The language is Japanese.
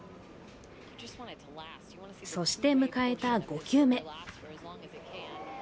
そして迎えた５球目。